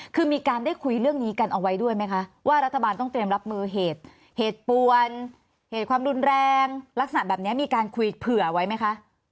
คือมีการได้คุยเรื่องนี้กันเอาไว้ด้วยไหมคะว่ารัฐบาลต้องเตรียมรับมือเหตุเหตุปวนเหตุความรุนแรงลักษณะแบบนี้มีการคุยเผื่อไว้ไหมคะ